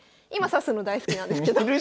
今指すの大好きなんですけど。